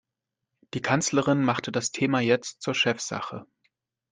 Die Kanzlerin machte das Thema jetzt zur Chefsache.